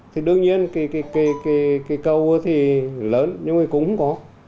thì đương nhiên cái cầu thì lớn nhưng mà cũng có